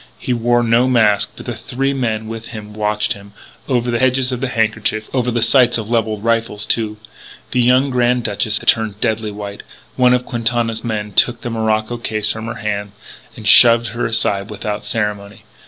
He wore no mask, but the three men with him watched him over the edges of handkerchiefs, over the sights of levelled rifles, too. The youthful Grand Duchess had turned deadly white. One of Quintana's men took the morocco case from her hands and shoved her aside without ceremony.